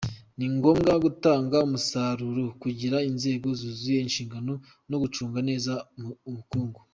Ni ngombwa gutanga umusaruro, kugira inzego zuzuza inshingano no gucunga neza ubukungu.